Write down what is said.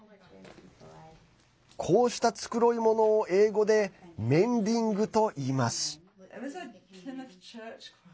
こうした繕い物を英語でメンディングといいます。